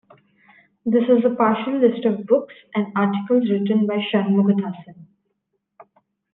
This is a partial list of books and articles written by Shanmugathasan.